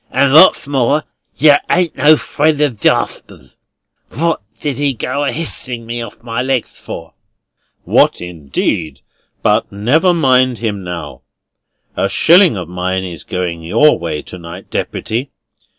And what's more, yer ain't no friend o' Jarsper's. What did he go a histing me off my legs for?" "What indeed! But never mind him now. A shilling of mine is going your way to night, Deputy.